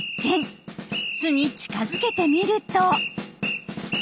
巣に近づけてみると。